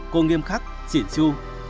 cô nghiêm khắc chỉn chu